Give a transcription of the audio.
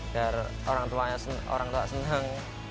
agar orang tua seneng